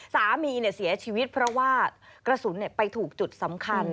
สามีเสียชีวิตเพราะว่ากระสุนไปถูกจุดสำคัญ